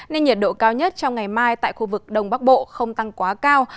nên nhiệt độ cao nhất trong ngày mai tại khu vực đông bắc bộ không tăng quá cao